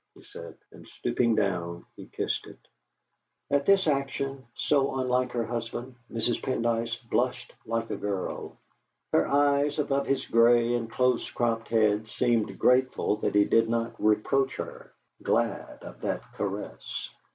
he said; and stooping down, he kissed it. At this action, so unlike her husband, Mrs. Pendyce blushed like a girl. Her eyes above his grey and close cropped head seemed grateful that he did not reproach her, glad of that caress.